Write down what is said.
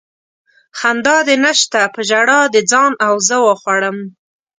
خندا دې نشته په ژړا دې ځان او زه وخوړم